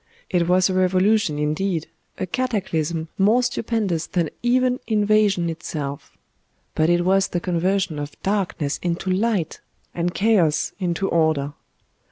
It was a Revolution indeed, a cataclysm more stupendous than even invasion itself; but it was the conversion of darkness into light, and chaos into order.